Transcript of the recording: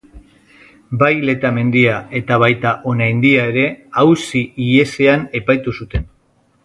Bai Letamendia eta baita Onaindia ere auzi-ihesean epaitu zuten.